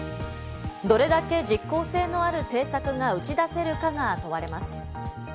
どれだけ実効性のある政策が打ち出せるかが問われます。